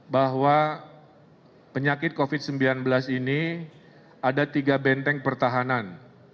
bahwa penyakit covid sembilan belas ini ada tiga benteng pertahanan